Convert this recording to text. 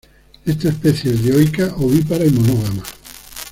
Esta especie es dioica, ovípara y monógama.